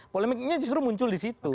polemiknya justru muncul di situ